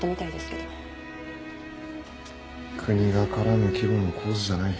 国が絡む規模の工事じゃない。